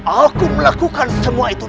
aku melakukan semua itu